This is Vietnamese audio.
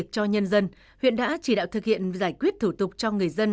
cho nhân dân huyện đã chỉ đạo thực hiện giải quyết thủ tục cho người dân